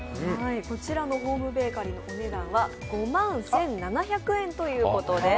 こちらのホームベーカリーお値段は５万１７００円ということです。